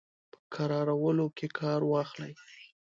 په کرارولو کې کار واخلي.